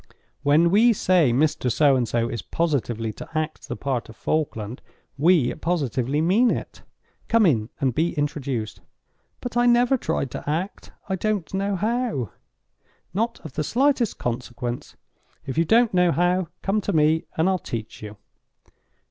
When we say Mr. So and So is positively to act the part of Falkland, we positively mean it. Come in and be introduced." "But I never tried to act. I don't know how." "Not of the slightest consequence. If you don't know how, come to me and I'll teach you."